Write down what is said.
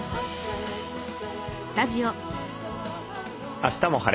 「あしたも晴れ！